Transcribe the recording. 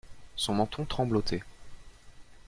Son menton tremblotait.